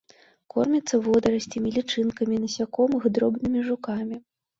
Корміцца водарасцямі, лічынкамі насякомых, дробнымі жукамі.